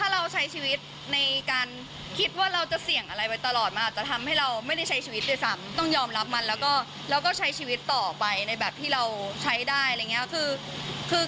เราใช้ได้อะไรอย่างนี้คือ